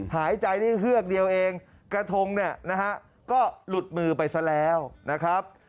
หายใจได้เฮือกเดียวเองกระทงเนี่ยนะฮะก็หลุดมือไปซะแล้วนะครับ